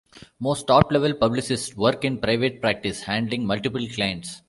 Most top-level publicists work in private practice, handling multiple clients.